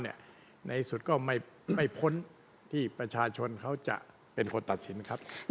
ในสุดก็ไม่พ้นที่ประชาชนเขาจะเป็นคนตัดสินครับ